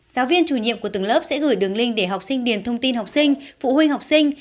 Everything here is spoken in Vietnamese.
giáo viên chủ nhiệm của từng lớp sẽ gửi đường link để học sinh điền thông tin học sinh phụ huynh học sinh